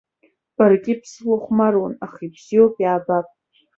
Баргьы бсылахәмаруан, аха ибзиоуп, иаабап.